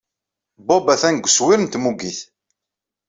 Bob atan deg wesrir n tmuggit.